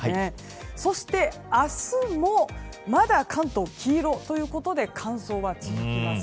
そして、明日もまだ関東は黄色ということで乾燥は続きます。